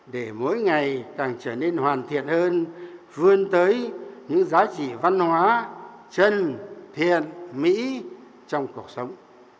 để mỗi ngày càng trở nên hoàn thiện hơn vươn tới những giá trị văn hóa chân thiện mỹ trong cuộc sống